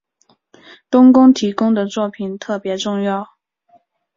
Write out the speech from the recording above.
冬宫提供的作品特别重要。